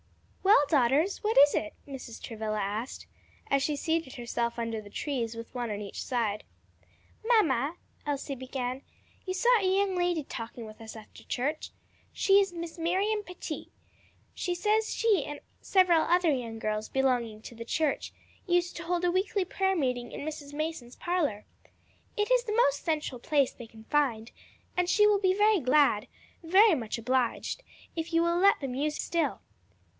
"Well, daughters, what is it?" Mrs. Travilla asked, as she seated herself under the trees with one on each side. "Mamma," Elsie began, "you saw a young lady talking with us after church? She is Miss Miriam Pettit. She says she and several other young girls belonging to the church used to hold a weekly prayer meeting in Mrs. Mason's parlor. It is the most central place they can find, and she will be very glad, very much obliged, if you will let them use it still.